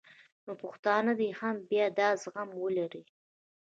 نو پښتانه دې هم بیا دا زغم ولري